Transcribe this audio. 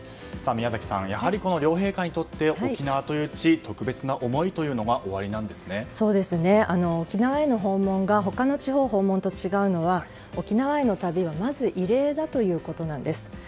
宮崎さん、両陛下にとって沖縄という地特別な思いというのが沖縄への訪問が他の地方訪問と違うのは沖縄への旅はまず慰霊だということです。